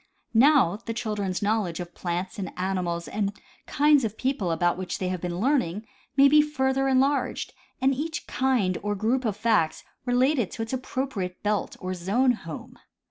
Now, the children's knowledge of plants and animals and kinds of people about which they have been learning may be further enlarged, and each kind or group of facts relegated to its appro priate belt or zone home.